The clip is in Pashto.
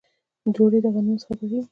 ډوډۍ د غنمو څخه پخیږي